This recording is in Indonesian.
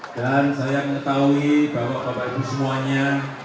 dan saya mengetahui bahwa bapak ibu semuanya